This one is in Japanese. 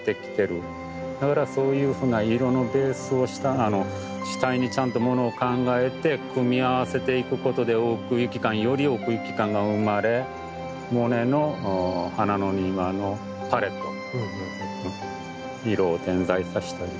だからそういうふうな色のベースを主体にちゃんとものを考えて組み合わせていくことで奥行き感より奥行き感が生まれモネの花の庭のパレット色を点在させたりとか。